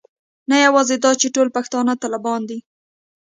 نه یوازې دا چې ټول پښتانه طالبان نه دي.